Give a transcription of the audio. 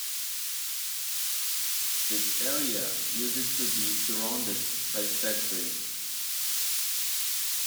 This area used to be surrounded by factories.